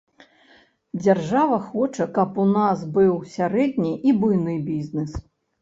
Дзяржава хоча, каб у нас быў сярэдні і буйны бізнес.